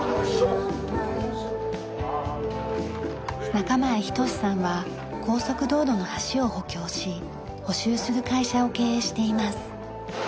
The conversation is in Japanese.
中前仁志さんは高速道路の橋を補強し補修する会社を経営しています。